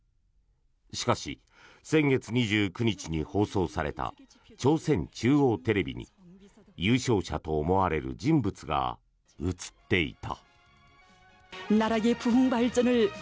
しかし、先月２９日に放送された朝鮮中央テレビに優勝者と思われる人物が映っていた。